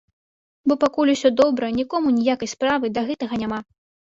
Бо пакуль усё добра, нікому ніякай справы да гэтага няма.